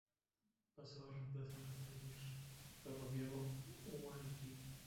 Pasó a reemplazar el Taller Ferroviario Hualqui.